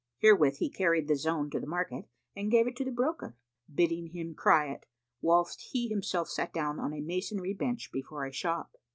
Herewith he carried the zone to the market and gave it to the broker, bidding him cry it, whilst he himself sat down on a masonry bench before a shop.